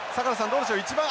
どうでしょう一番。